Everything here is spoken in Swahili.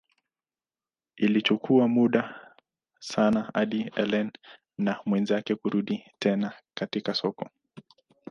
Ilichukua muda sana hadi Ellen na mwenzake kurudi tena katika soko.